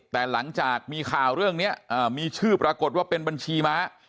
แต่หลังจากมีข่าวเรื่องนี้มีชื่อปรากฏว่าเป็นบัญชีม้า